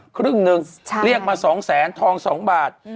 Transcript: ครึ่งหนึ่งเรียกมา๒แสนทอง๒บาท